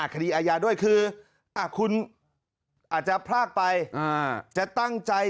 คดีอาญาด้วยคือคุณอาจจะพลากไป